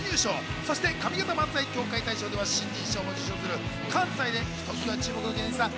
そして上方漫才協会大賞では新人賞も受賞する関西でひときわ注目の芸人さん。